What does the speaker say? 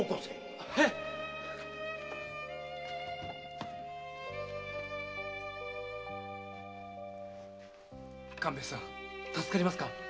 〔官兵衛さん助かりますか？〕